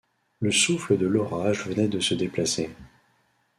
Le souffle de l’orage venait de se déplacer.